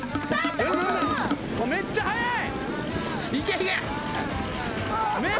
めっちゃ速い。